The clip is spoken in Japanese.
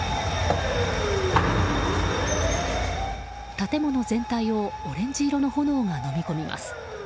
建物全体をオレンジ色の炎がのみ込みます。